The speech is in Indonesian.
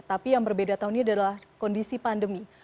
tapi yang berbeda tahunnya adalah kondisi pandemi